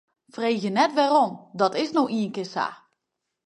Freegje net wêrom, dat is no ienkear sa.